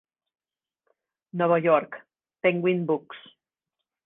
Nova York: Penguin Books.